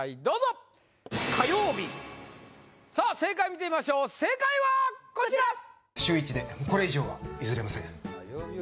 どうぞかようびさあ正解見てみましょう正解はこちら週１でこれ以上は譲れません